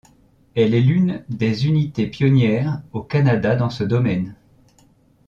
Elle est l’une des unités pionnières au Canada dans ce domaine.